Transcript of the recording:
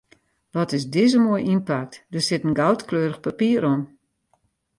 Wat is dizze moai ynpakt, der sit in goudkleurich papier om.